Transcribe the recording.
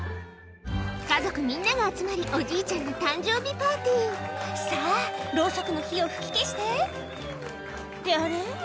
家族みんなが集まりおじいちゃんの誕生日パーティーさぁロウソクの火を吹き消してってあれ？